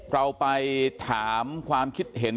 เราไปถามความคิดเห็น